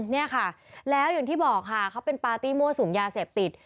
เนี่ยค่ะแล้วอย่างที่บอกค่ะเขาเป็นปาร์ตี้มั่วสุมยาเสพติด